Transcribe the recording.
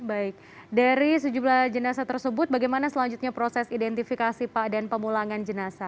baik dari sejumlah jenazah tersebut bagaimana selanjutnya proses identifikasi pak dan pemulangan jenazah